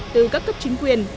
từ các cấp chính quyền